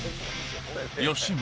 吉村